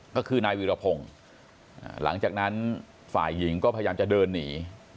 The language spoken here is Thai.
ก็คือนายวิรพงศ์หลังจากนั้นฝ่ายหญิงก็พยายามจะเดินหนี